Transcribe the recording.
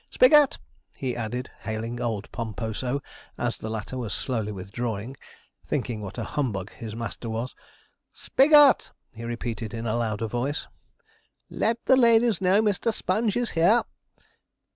Spigot!' he added, hailing old Pomposo as the latter was slowly withdrawing, thinking what a humbug his master was 'Spigot!' he repeated in a louder voice; 'let the ladies know Mr. Sponge is here.